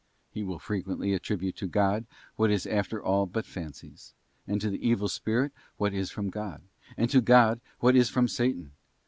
He will fre quently attribute to God what is after all but fancies, and to the evil spirit what is from God, and to God what is from Satan.